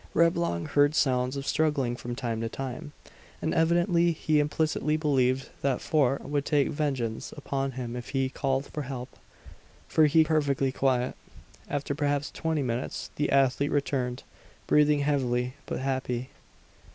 Reblong heard sounds of struggling from time to time; and evidently he implicitly believed that Fort would take vengeance upon him if he called for help; for he kept perfectly quiet. After perhaps twenty minutes the athlete returned, breathing heavily, but happy.